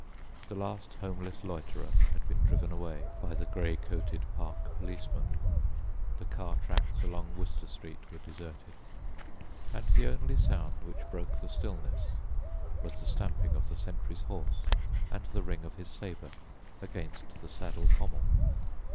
The last homeless loiterer had been driven away by the grey coated park policeman, the car tracks along Wooster Street were deserted, and the only sound which broke the stillness was the stamping of the sentry's horse and the ring of his sabre against the saddle pommel.